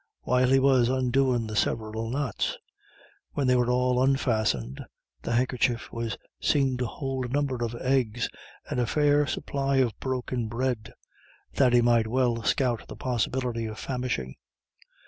while he was undoing the several knots. When they were all unfastened, the handkerchief was seen to hold a number of eggs and a fair supply of broken bread. Thady might well scout the possibility of famishing.